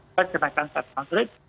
kita kenaikan set hundred